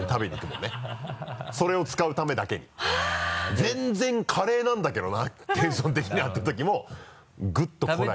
「全然カレーなんだけどなテンション的には」っていうときもグッとこらえて。